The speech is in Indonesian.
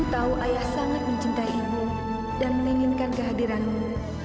ibu tahu ayah sangat mencintai ibu dan menginginkan kehadiranmu